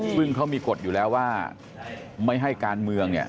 ซึ่งเขามีกฎอยู่แล้วว่าไม่ให้การเมืองเนี่ย